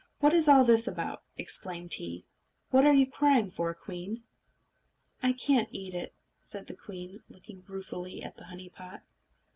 "What is all this about?" exclaimed he. "What are you crying for, queen?" "I can't eat it," said the queen, looking ruefully at the honey pot.